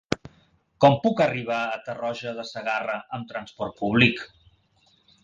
Com puc arribar a Tarroja de Segarra amb trasport públic?